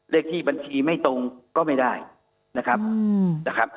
เรียกที่บัญชีไม่ตรงก็ไม่ได้นะครับ